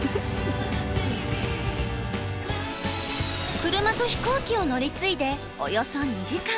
車と飛行機を乗り継いでおよそ２時間。